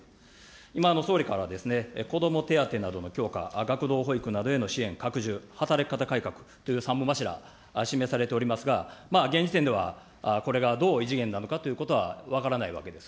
今、総理からは、子ども手当などの強化、学童保育などへの支援拡充、働き方改革という３本柱、示されておりますが、現時点では、これがどう異次元なのかということは分からないわけです。